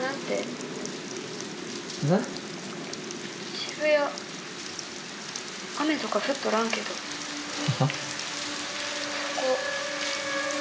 ☎渋谷雨とか降っとらんけどは？